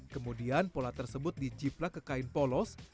kemudian pola tersebut di ciplak ke kain polos